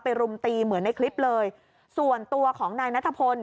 รุมตีเหมือนในคลิปเลยส่วนตัวของนายนัทพล